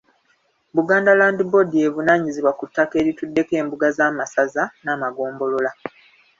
Buganda Land Board y'evunaanyizibwa ku ttaka erituddeko embuga z’amasaza n’amagombolola.